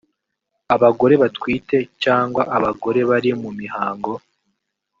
abagore batwite cg abagore bari mu mihango